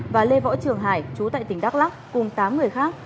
và lê võ trường hải chú tại tỉnh đắk lắc cùng tám người khác